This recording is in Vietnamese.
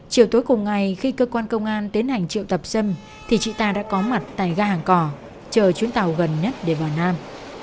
chiều tối cùng ngày khi cơ quan công an tiến hành triệu tập xâm thì chị ta đã có mặt tại ga hàng cỏ chờ chuyến tàu gần nhất để vào nam